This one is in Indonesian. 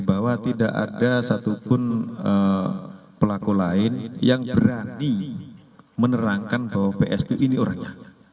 bahwa tidak ada satupun pelaku lain yang berani menerangkan bahwa ps itu ini orangnya